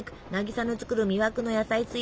渚の作る魅惑の野菜スイーツ